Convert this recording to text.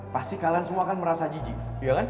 pasti kalian semua akan merasa jijik iya kan